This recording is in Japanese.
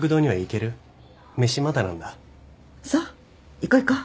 行こう行こう。